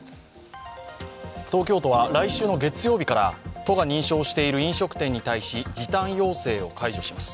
東京都は来週の月曜日から都が認証している飲食店に対し、時短要請を解除します。